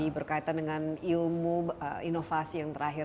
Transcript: berkaitan dengan teknologi berkaitan dengan ilmu inovasi yang terakhir